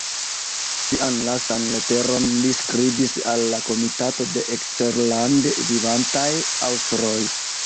Sian lastan leteron li skribis al la Komitato de Eksterlande Vivantaj Aŭstroj.